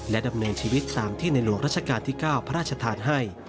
ดำเนินชีวิตตามที่ในหลวงรัชกาลที่๙พระราชทานให้